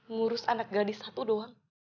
ngurus anak gadis satu doang